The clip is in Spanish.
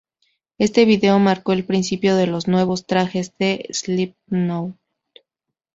Este vídeo marcó el principio de los nuevos trajes de Slipknot.